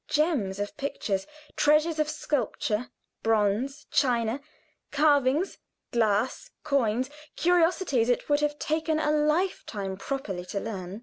Gems of pictures treasures of sculpture, bronze, china, carvings, glass, coins, curiosities which it would have taken a life time properly to learn.